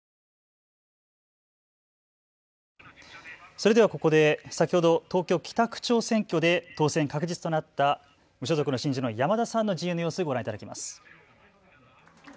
それではここで、先ほど東京北区長選挙で当選確実となった無所属の新人の山田さんの陣営の様子をご覧いただきます。